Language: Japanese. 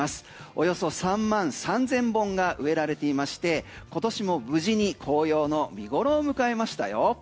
およそ３万３０００本が植えられていまして今年も無事に紅葉の見頃を迎えましたよ。